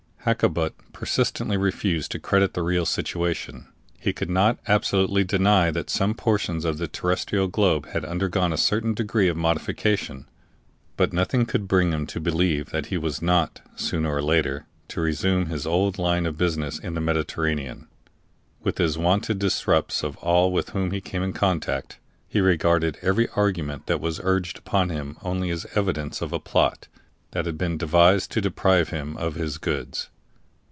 Hakkabut persistently refused to credit the real situation; he could not absolutely deny that some portions of the terrestrial globe had undergone a certain degree of modification, but nothing could bring him to believe that he was not, sooner or later, to résumé his old line of business in the Mediterranean. With his wonted distrust of all with whom he came in contact, he regarded every argument that was urged upon him only as evidence of a plot that had been devised to deprive him of his goods.